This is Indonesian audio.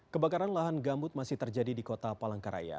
kebakaran lahan gambut masih terjadi di kota palangkaraya